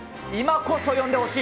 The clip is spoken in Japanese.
今こそ読んでほしい。